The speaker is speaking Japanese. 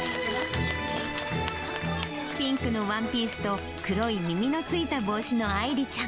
ピンクのワンピースと黒い耳のついた帽子の愛梨ちゃん。